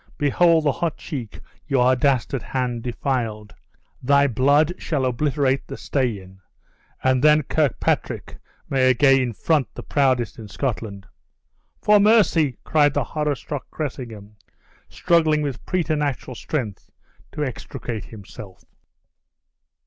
behold the hot cheek your dastard hand defiled! Thy blood shall obliterate the stain; and then Kirkpatrick may again front the proudest in Scotland!" "For mercy!" cried the horror struck Cressingham, struggling with preternatural strength to extricate himself.